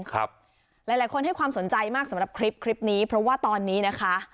หลายคนให้ความสนใจมากสำหรับคลิปคลิปนี้เพราะว่าตอนนี้นะคะ